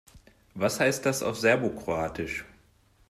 Was heißt das auf Serbokroatisch?